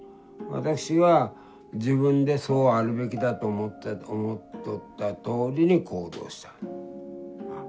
私は自分でそうあるべきだと思っとったとおりに行動した。